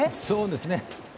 そうですね。